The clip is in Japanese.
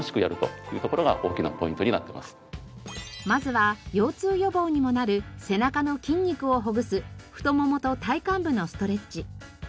まずは腰痛予防にもなる背中の筋肉をほぐす太ももと体幹部のストレッチ。